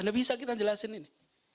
anda bisa kita jelasin ini